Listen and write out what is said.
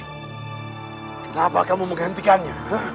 kenapa kamu menghentikannya